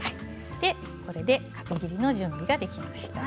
これで角切りの準備ができました。